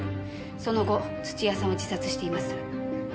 その後土屋さんは自殺しています。